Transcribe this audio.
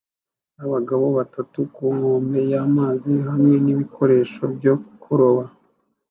Abagabo batatu ku nkombe y'amazi hamwe nibikoresho byo kuroba